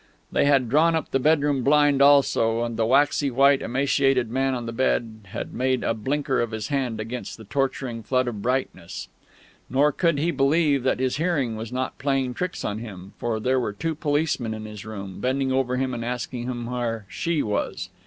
They had drawn up the bedroom blind also, and the waxy white, emaciated man on the bed had made a blinker of his hand against the torturing flood of brightness. Nor could he believe that his hearing was not playing tricks with him, for there were two policemen in his room, bending over him and asking where "she" was.